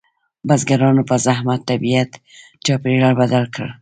بزګرانو په زحمت طبیعي چاپیریال بدل کړ.